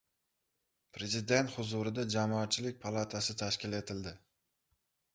Prezident huzurida Jamoatchilik palatasi tashkil etildi